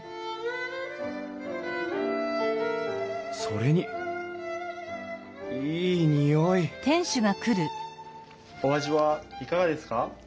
それにいい匂いお味はいかがですか？